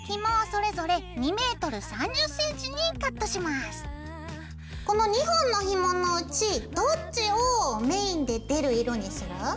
まずこの２本のひものうちどっちをメインで出る色にする？